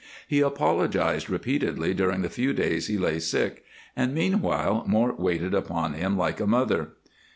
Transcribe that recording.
He apologized repeatedly during the few days he lay sick, and meanwhile Mort waited upon him like a mother.